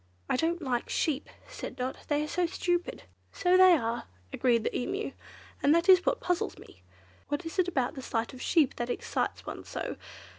"I don't like sheep!" said Dot, "they are so stupid." "So they are," agreed the Emu, "and that is what puzzles me. What is it about the sight of sheep that excites one so?